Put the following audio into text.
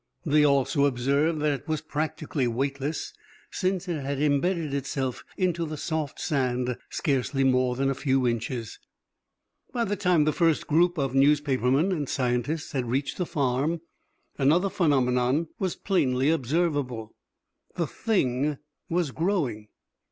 They also observed that it was practically weightless, since it had embedded itself in the soft sand scarcely more than a few inches. By the time the first group of newspapermen and scientists had reached the farm, another phenomenon was plainly observable. The Thing was growing!